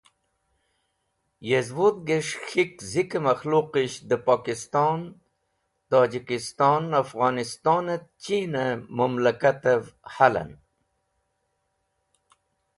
Yez wudhges̃h K̃hik Zike makhluqisht de Pokiston, Tojikiston, Afghonistonet Cheen e Mumlakatev halan.